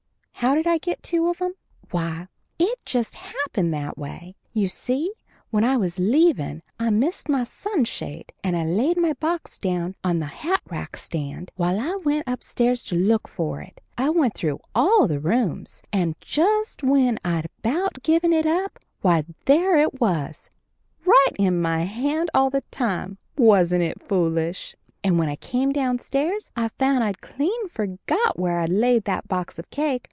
How did I get two of 'em? Why, it just happened that way. You see, when I was leavin' I missed my sun shade and I laid my box down on the hatrack stand while I went upstairs to look for it. I went through all the rooms, and just when I'd about given it up, why, there it was, right in my hand all the time! Wasn't it foolish? And when I came downstairs I found I'd clean forgot where I'd laid that box of cake.